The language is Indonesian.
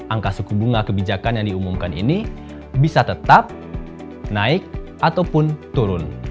angka suku bunga kebijakan yang diumumkan ini bisa tetap naik ataupun turun